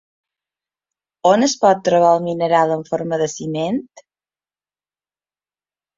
On es pot trobar el mineral en forma de ciment?